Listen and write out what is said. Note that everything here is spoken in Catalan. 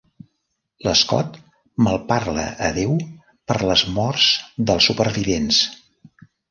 L'Scott malparla a Déu per les morts dels supervivents.